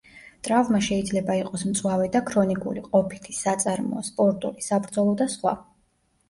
ტრავმა შეიძლება იყოს მწვავე და ქრონიკული, ყოფითი, საწარმოო, სპორტული, საბრძოლო და სხვა.